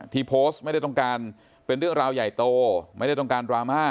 ที่โพสต์ไม่ได้ต้องการเป็นเรื่องราวใหญ่โตไม่ได้ต้องการดราม่า